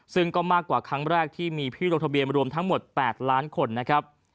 ซึ่งก็มากกว่าครั้งแรกที่มีพี่ลงทะเบียนรวมทั้งหมด๘ล้านคนนะครับ